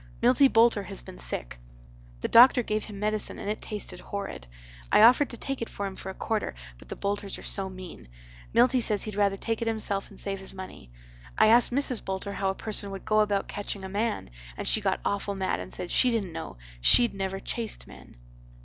Milty Boulter has been sick. The doctor gave him medicine and it tasted horrid. I offered to take it for him for a quarter but the Boulters are so mean. Milty says he'd rather take it himself and save his money. I asked Mrs. Boulter how a person would go about catching a man and she got awful mad and said she dident know, shed never chased men.